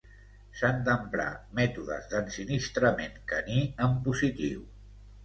S'han d'emprar mètodes d'ensinistrament caní en positiu.